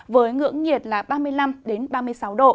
với ngưỡng nhiệt là ba mươi năm ba mươi sáu độ